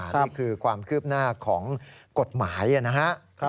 นี่คือความคืบหน้าของกฎหมายนะครับ